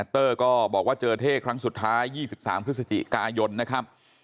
เตอร์ก็บอกว่าเจอเท่ครั้งสุดท้าย๒๓พฤศจิกายนนะครับ